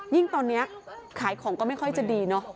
ยิ่งตอนนี้ขายของก็ไม่ค่อยจะดีเนอะ